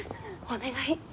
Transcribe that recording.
お願い。